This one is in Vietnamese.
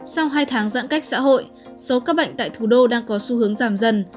sau hai tháng giãn cách xã hội số các bệnh tại thủ đô đang có xu hướng giảm dần